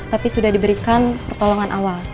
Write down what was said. tapi sudah diberikan pertolongan awal